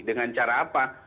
dengan cara apa